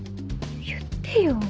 言ってよ。